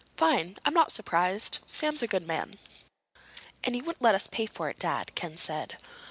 "Fine. I'm not surprised. Sam's a good man." "And he wouldn't let us pay for it, Dad," Ken said.